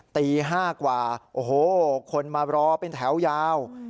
ตี๕กว่าโอ้โหคนมารอเป็นแถวยาว